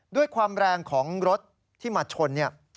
ด้วยความแรงของรถที่มาชนเนี่ย